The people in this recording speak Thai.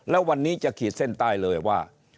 แล้ววันนี้จะขีดเส้นใต้เลยว่า